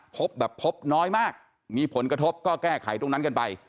พบแบบพบน้อยมากมีผลกระทบก็แก้ไขตรงนั้นกันไป